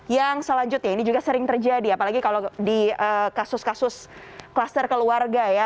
yang selanjutnya ini juga sering terjadi apalagi kalau di kasus kasus kluster keluarga ya